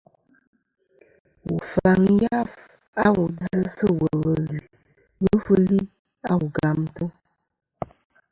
Wu faŋi yaf a wà dzɨ sɨ wul ɨlue lufɨli a wu gamtɨ.